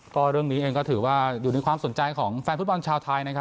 ก็เรื่องนี้เองก็ถือว่าอยู่ในความสนใจของแฟนฟุตบอลชาวไทยนะครับ